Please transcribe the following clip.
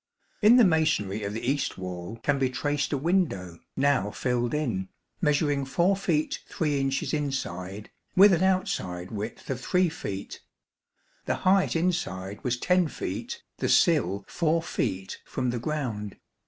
In the masonry of the east wall can be traced a window, now filled in, measuring 4 feet 3 inches inside with an outside width of 3 feet, the height inside was 10 feet, the sill 4 feet from the ground.